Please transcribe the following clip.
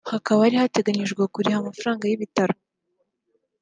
Hakaba hari hateganijwe kurihira amafaranga y’ibitaro